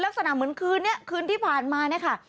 ลักษณะเหมือนคืนนี้คืนที่ผ่านมาเนี่ยค่ะ